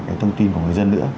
cái thông tin của người dân